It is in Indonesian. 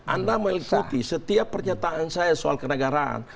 anda mengikuti setiap pernyataan saya soal kenegaraan